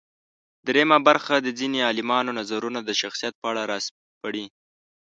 درېیمه برخه د ځينې عالمانو نظرونه د شخصیت په اړه راسپړي.